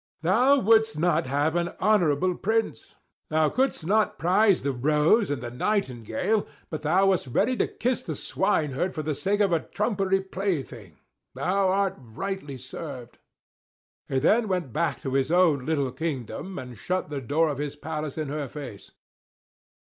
"Thou would'st not have an honorable Prince! Thou could'st not prize the rose and the nightingale, but thou wast ready to kiss the swineherd for the sake of a trumpery plaything. Thou art rightly served." He then went back to his own little kingdom, and shut the door of his palace in her face.